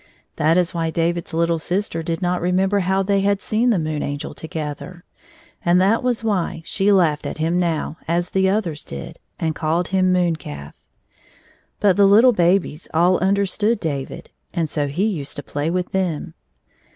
That is why David's little sister did not rememher how they had seen the Moon Angel together, and that was why she laughed at him now as the others did and called him moon calf. But the little habies all understood David, and so he used to play with them.